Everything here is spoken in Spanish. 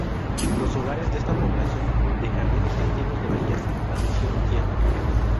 Los hogares de esta población de Jardín están llenos de belleza, tradición y amor.